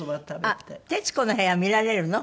『徹子の部屋』見られるの？